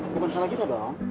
bukan salah kita dong